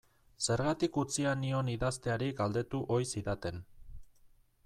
Zergatik utzia nion idazteari galdetu ohi zidaten.